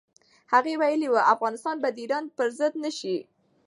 هغه ویلي و، افغانستان به د ایران پر ضد نه شي.